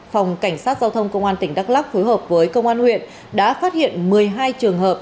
phòng cảnh sát giao thông công an tỉnh đắk lắc phối hợp với công an huyện đã phát hiện một mươi hai trường hợp